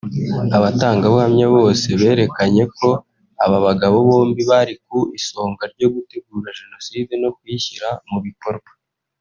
Abatangabuhamya bose berekanye ko aba bagabo bombi bari ku isonga ryo gutegura Jenoside no kuyishyira mu bikorwa